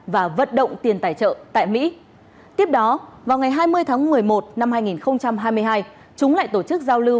và vận động tiền tài trợ tại mỹ tiếp đó vào ngày hai mươi tháng một mươi một năm hai nghìn hai mươi hai chúng lại tổ chức giao lưu